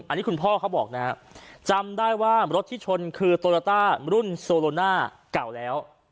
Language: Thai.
อันนี้คุณพ่อเขาบอกนะครับจำได้ว่ารถที่ชนคือโตโยต้ารุ่นโซโลน่าเก่าแล้ว